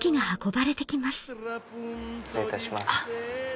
失礼いたします。